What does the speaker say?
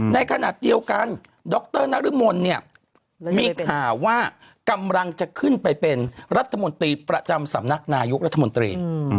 ในขณะเดียวกันดรนรมนเนี่ยมีข่าวว่ากำลังจะขึ้นไปเป็นรัฐมนตรีประจำสำนักนายกรัฐมนตรี